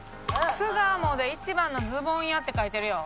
「巣鴨で１番のズボン屋」って書いてるよ。